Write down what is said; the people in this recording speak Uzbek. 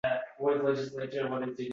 Uyini topib, darvozani taqillatibdi